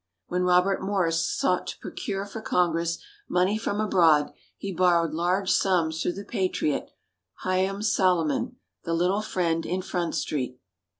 When Robert Morris sought to procure for Congress, money from abroad, he borrowed large sums through the Patriot, Haym Salomon, "the little friend in Front Street."